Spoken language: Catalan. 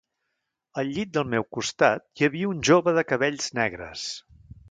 Al llit del meu costat, hi havia un jove de cabells negres